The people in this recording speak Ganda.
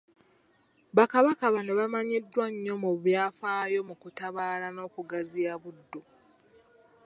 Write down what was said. Bakabaka bano bamanyiddwa nnyo mu byafaayo mu kutabaala n’okugaziya Buddu.